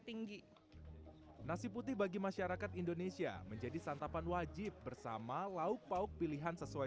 tinggi nasi putih bagi masyarakat indonesia menjadi santapan wajib bersama lauk pauk pilihan sesuai